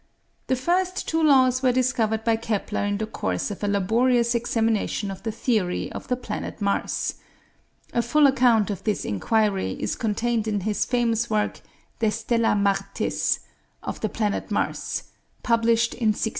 The first two laws were discovered by Kepler in the course of a laborious examination of the theory of the planet Mars. A full account of this inquiry is contained in his famous work, 'De Stella Martis' [Of the Planet Mars], published in 1609.